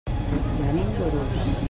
Venim d'Urús.